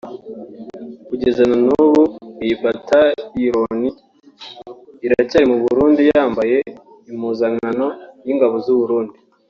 kugeza nan’ubu iyi bataillon iracyari mu Burundi yambaye impuzankano y’ingabo z’u Burundi